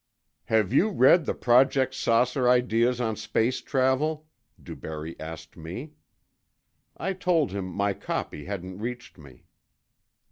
"Have you read the Project 'Saucer' ideas on space travel?" DuBarry asked me. I told him my copy hadn't reached me.